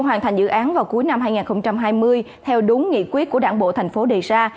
hoàn thành dự án vào cuối năm hai nghìn hai mươi theo đúng nghị quyết của đảng bộ thành phố đề ra